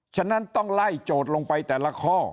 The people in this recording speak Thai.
ฉะนั้นต้องไล่โจทย์ลงไปแต่ละข้อ